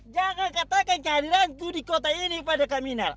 jangan katakan kehadiran ku di kota ini pada kaminal